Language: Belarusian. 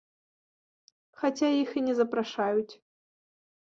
Хаця іх і не запрашаюць.